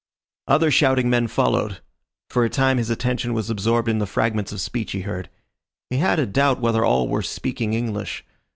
Other shouting men followed. For a time his attention was absorbed in the fragments of speech he heard. He had a doubt whether all were speaking English.